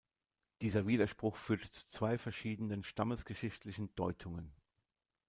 Dieser Widerspruch führte zu zwei verschiedenen stammesgeschichtlichen Deutungen.